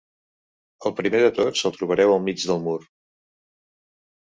El primer de tots el trobareu al mig del mur.